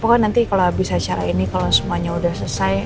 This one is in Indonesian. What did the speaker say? pokoknya nanti kalau habis acara ini kalau semuanya udah selesai